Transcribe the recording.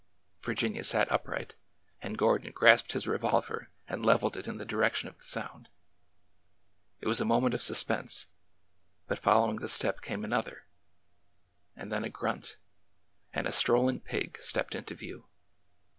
Virginia sat upright, and Gordon grasped his revolver and leveled it in the di rection of the sound. It was a moment of suspense, but following the step came another, and then a grunt, and a strolling pig stepped into view.